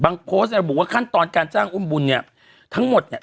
บางโค้ชเนี้ยบอกว่าขั้นตอนการจ้างอุ้มบุญเนี้ยทั้งหมดเนี้ย